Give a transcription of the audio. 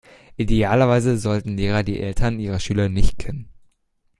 Idealerweise sollten Lehrer die Eltern ihrer Schüler nicht kennen.